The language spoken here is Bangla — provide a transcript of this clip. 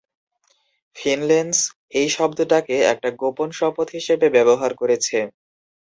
ফিনলেসন এই শব্দটাকে একটা গোপন শপথ হিসেবে ব্যবহার করেছে।